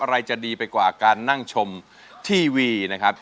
อะไรจะดีไปกว่าการนั่งชมทีวีนะครับ